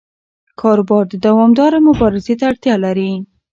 کاروبار دوامدارې مبارزې ته اړتیا لري.